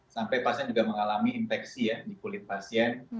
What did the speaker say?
sampai pasien juga mengalami infeksi ya di kulit pasien